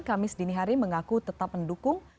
kamis dini hari mengaku tetap mendukung